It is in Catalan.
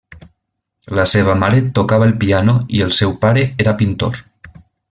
La seva mare tocava el piano i el seu pare era pintor.